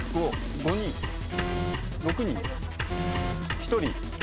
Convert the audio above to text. １人。